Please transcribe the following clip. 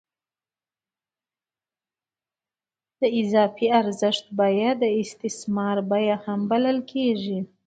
د اضافي ارزښت بیه د استثمار بیه هم بلل کېږي